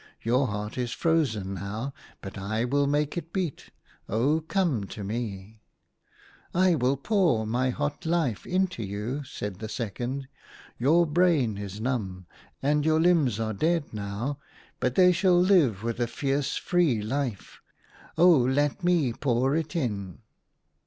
Your heart is frozen now, but I will make it beat. Oh, come to me !"" I will pour my hot life into you," said the second ;" your brain is numb, and your limbs are dead now ; but they 40 THE HUNTER. shall live with a fierce free life. Oh, let me pour it in